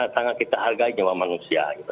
sangat kita hargai nyawa manusia